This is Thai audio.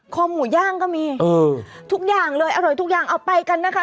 คอหมูย่างก็มีทุกอย่างเลยอร่อยทุกอย่างเอาไปกันนะคะ